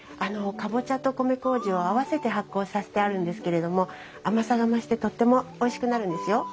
カボチャと米麹を合わせて発酵させてあるんですけれども甘さが増してとってもおいしくなるんですよ。